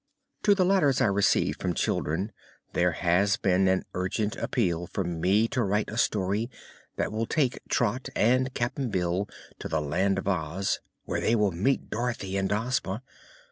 In the letters I receive from children there has been an urgent appeal for me to write a story that will take Trot and Cap'n Bill to the Land of Oz, where they will meet Dorothy and Ozma.